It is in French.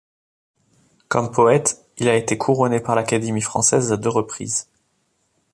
Comme poète, il a été couronné par l'Académie française à deux reprises.